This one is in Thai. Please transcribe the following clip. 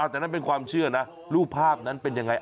แต่นั่นเป็นความเชื่อนะรูปภาพนั้นเป็นยังไง